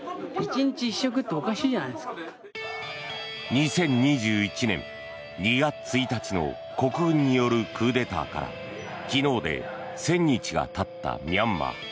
２０２１年２月１日の国軍によるクーデターから昨日で１０００日がたったミャンマー。